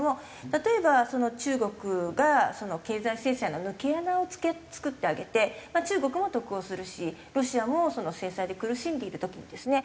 例えば中国が経済制裁の抜け穴を作ってあげてまあ中国も得をするしロシアもその制裁で苦しんでいる時にですね